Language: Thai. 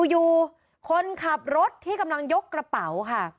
อยู่คนขับรถที่กำลังยกกระเป๋าค่ะ